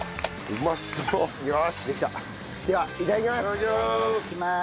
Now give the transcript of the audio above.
うまいわ。